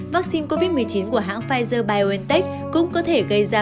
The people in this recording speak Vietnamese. vaccine covid một mươi chín của hãng pfizer biontech cũng có thể gây ra